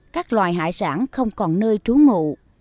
khai thác hải sản không còn nơi trú ngụ